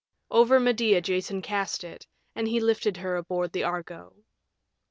Over Medea Jason cast it, and he lifted her aboard the Argo.